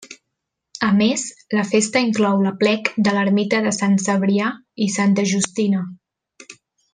A més, la festa inclou l'aplec de l'ermita de Sant Cebrià i Santa Justina.